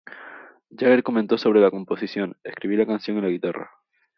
Jagger comentó sobre la composición: "Escribí la canción en la guitarra.